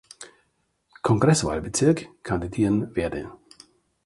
Kongresswahlbezirk kandidieren werde.